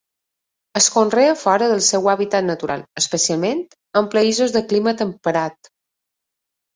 Es conrea fora del seu hàbitat natural, especialment en països de clima temperat.